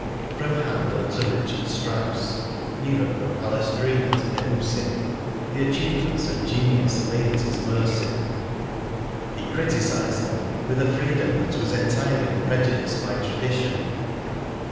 From Handel to Richard Strauss, even from Palestrina to Debussy, the achievements of genius lay at his mercy. He criticised them with a freedom that was entirely unprejudiced by tradition.